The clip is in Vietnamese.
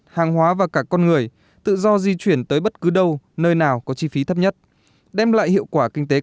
hàng hóa và cả con người tự do di chuyển tới bất cứ đâu nơi nào có chi phí thấp nhất